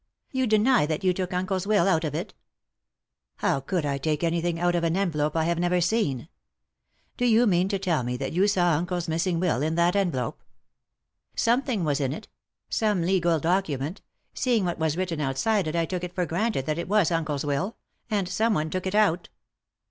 "You deny that you took uncle's will out of it?" " How could I take anything out of an envelope I had never seen ? Do you mean to tell me that you saw uncle's missing will in that envelope ?"" Something was in it ; some legal document ; see ing what was written outside it I took it for granted that it was uncle's will — and someone took it out."